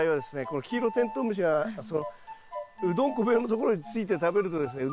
このキイロテントウムシがうどんこ病のところについて食べるとですね